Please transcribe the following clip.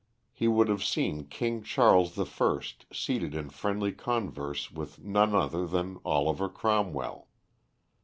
He would have seen King Charles the First seated in friendly converse with none other than Oliver Cromwell.